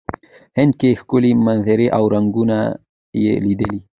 هند کې ښکلې منظرې او رنګونه یې لیدلي.